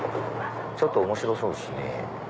ちょっと面白そうですね。